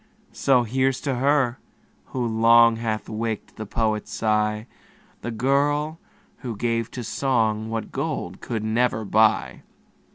So here's to her, who long Hath waked the poet's sigh, The girl, who gave to song What gold could never buy.